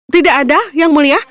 tidak ada yang mulia